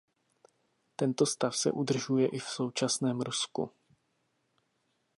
Tento stav se udržuje i v současném Rusku.